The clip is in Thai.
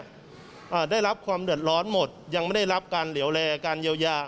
อ่าได้รับความเดือดร้อนหมดยังไม่ได้รับการเหลวแลการเยียวยา